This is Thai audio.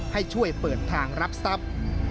ให้ช่วยเปิดทางรับทรัพย์